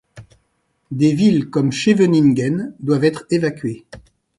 Des villes comme Scheveningen doivent être évacuées.